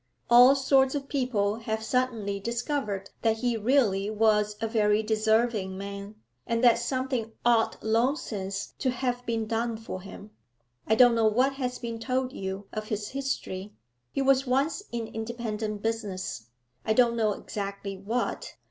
All sorts of people have suddenly discovered that he really was a very deserving man, and that something ought long since to have been done for him. I don't know what has been told you of his history. He was once in independent business; I don't know exactly what.